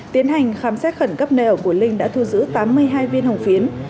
tiến hành khám xét khẩn cấp nơi ở của linh đã thu giữ tám mươi hai viên hồng phiến